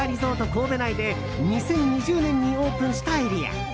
神戸内で２０２０年にオープンしたエリア。